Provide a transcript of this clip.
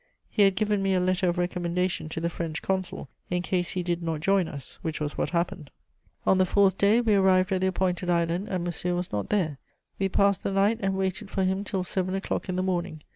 He had given me a letter of recommendation to the French Consul, in case he did not join us, which was what happened. On the fourth day, we arrived at the appointed island and Monsieur was not there. We passed the night and waited for him till seven o'clock in the morning.